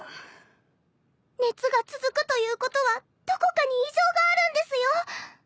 熱が続くということはどこかに異常があるんですよ。